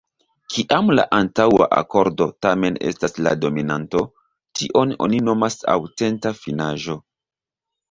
Kiam la antaŭa akordo tamen estas la dominanto, tion oni nomas aŭtenta finaĵo.